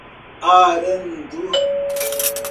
Arandu